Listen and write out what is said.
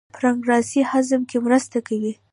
پانکریاس هضم کې مرسته کوي.